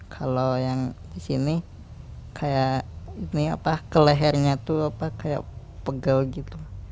kalau yang di sini kayak ini apa ke lehernya tuh apa kayak pegel gitu